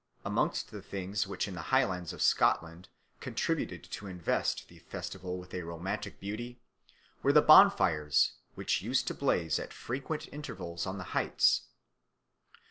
Amongst the things which in the Highlands of Scotland contributed to invest the festival with a romantic beauty were the bonfires which used to blaze at frequent intervals on the heights.